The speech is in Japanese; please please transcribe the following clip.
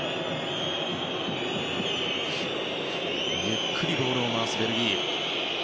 ゆっくりボールを回すベルギー。